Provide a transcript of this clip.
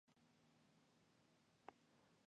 کله چې هندارې ته ګورم، ته مې مخ ته نېغه ودرېږې